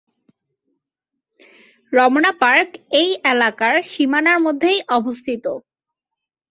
Ramna park এই এলাকার সীমানার মধ্যেই অবস্থিত।